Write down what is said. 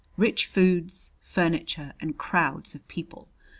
rich foods, furniture and crowds of people.